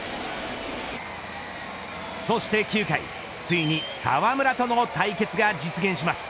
そして９回ついに澤村との対決が実現します